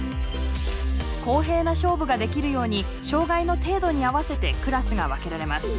公平な勝負ができるように障害の程度に合わせてクラスが分けられます。